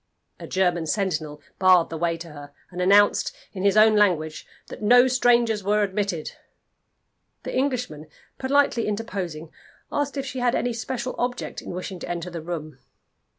A German sentinel barred the way to her, and announced, in his own language, that no strangers were admitted. The Englishman politely interposing, asked if she had any special object in wishing to enter the room.